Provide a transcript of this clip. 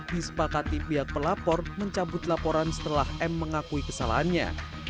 disepakati pihak pelapor mencabut laporan setelah m mengakui kesalahannya